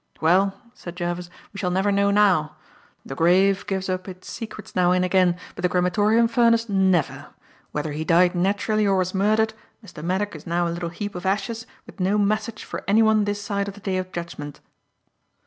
"Well," said Jervis, "we shall never know now. The grave gives up its secrets now and again, but the crematorium furnace never. Whether he died naturally or was murdered, Mr. Maddock is now a little heap of ashes with no message for anyone this side of the Day of Judgment."